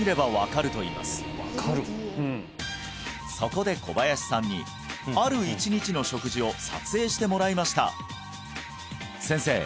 そこで小林さんにある１日の食事を撮影してもらいました先生